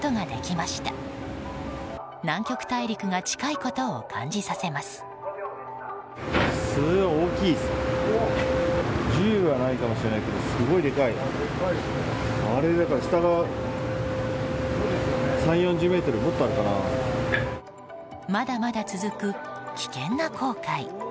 まだまだ続く危険な航海。